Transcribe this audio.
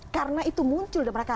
karena itu muncul dan mereka